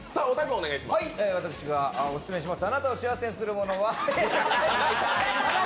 私がオススメします